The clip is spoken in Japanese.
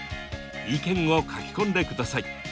意見を書き込んでください！